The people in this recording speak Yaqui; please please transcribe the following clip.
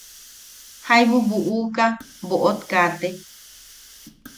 Jaibu buʼuka boʼot kaate.